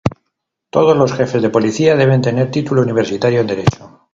Todos los jefes de policía deben tener título universitario en Derecho.